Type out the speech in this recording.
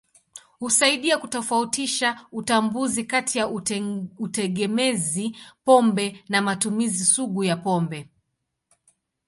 Husaidia kutofautisha utambuzi kati ya utegemezi pombe na matumizi sugu ya pombe.